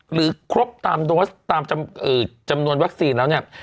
หรือครบตามโดสตามจำนวนวัคซีนแล้วเนี่ย